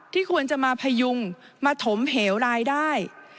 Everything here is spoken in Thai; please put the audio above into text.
ควรจะมาพยุงมาถมเหวรายได้